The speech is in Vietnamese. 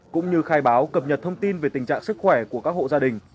cũng như khai báo cập nhật thông tin về tình trạng sức khỏe của các hộ gia đình